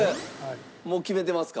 もう決めてますか？